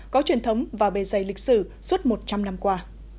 có truyền thống và bề dày lịch sử suốt một trăm linh năm qua